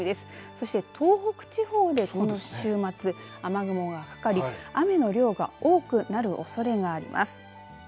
そして、東北地方で今週末、雨雲がかかり雨の量が多くなるおそれがあります。